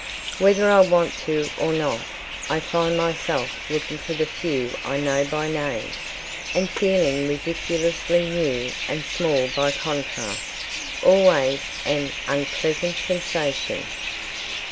Whether I want to or not, I find myself looking for the few I know by name, and feeling ridiculously new and small by contrast—always an unpleasant sensation.